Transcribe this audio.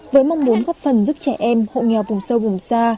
với mong muốn góp phần giúp trẻ em hộ nghèo vùng sâu vùng xa